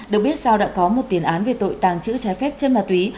được biết sao đã có một tiền án về tội tàng trữ trái phép chân ma túy